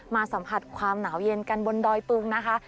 สัมผัสความหนาวเย็นกันบนดอยปึงนะคะ